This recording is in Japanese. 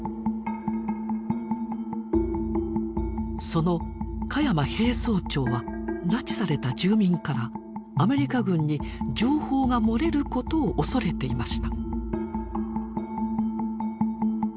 その鹿山兵曹長は拉致された住民からアメリカ軍に情報が漏れることを恐れていました。